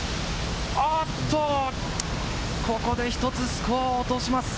ここで１つスコアを落とします。